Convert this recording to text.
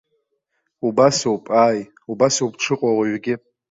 Убасоуп, ааи, убасоуп дшыҟоу ауаҩгьы.